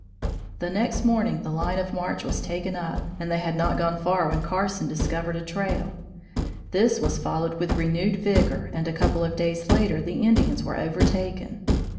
The next morning the line of march was taken up, and they had not gone far when Carson discovered a trail. This was followed with renewed vigor and a couple of days later the Indians were overtaken.